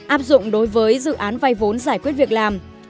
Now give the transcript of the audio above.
áp dụng đối với dự án vay vốn giải quyết việc làm